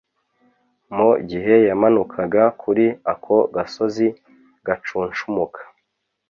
Mu gihe yamanukaga kuri ako gasozi gacunshumuka